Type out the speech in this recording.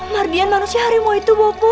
mardian manusia harimau itu buku